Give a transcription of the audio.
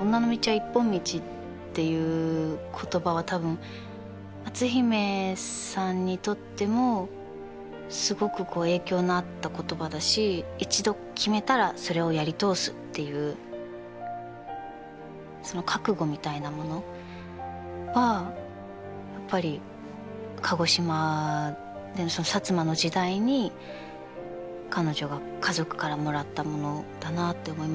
女の道は一本道っていう言葉は多分篤姫さんにとってもすごくこう影響のあった言葉だし一度決めたらそれをやり通すっていうその覚悟みたいなものはやっぱり鹿児島で摩の時代に彼女が家族からもらったものだなって思います。